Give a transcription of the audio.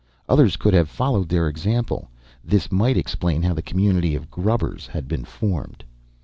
Others could have followed their example this might explain how the community of "grubbers" had been formed.